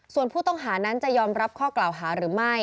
ส่วนผู้ต้องหานั้นจะยอมรับข้อกล่าวหาหรือไม่